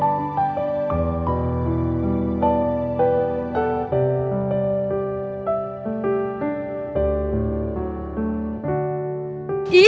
aku mau ketemu mama